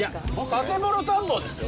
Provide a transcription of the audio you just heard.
「建もの探訪」ですよ